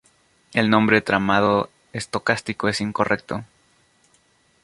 El nombre tramado estocástico es incorrecto.